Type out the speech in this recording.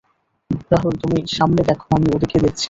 রাহুল তুমি সামনে দেখো আমি ওদিকে দেখছি।